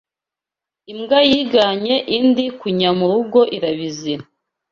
Imbwa yiganye indi kunya murugo irabizira